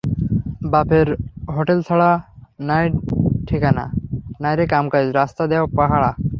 বাফের hotel ছাড়া নাই ঠিকানা, নাইরে কামকাইজ, রাস্তা দেও পাহাড়া।